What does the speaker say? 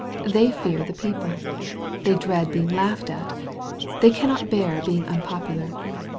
They fear th« people ! They dread being laughed at I They cannot bear being unpopular